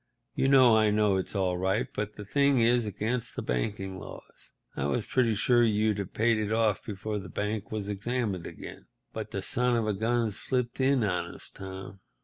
You know I know it's all right, but the thing is against the banking laws. I was pretty sure you'd have paid it off before the bank was examined again, but the son of a gun slipped in on us, Tom.